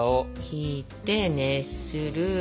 ひいて熱する。